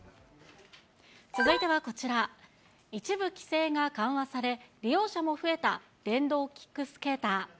続いてはこちら、一部規制が緩和され、利用者も増えた電動キックスケーター。